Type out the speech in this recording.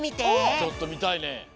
ちょっとみたいね。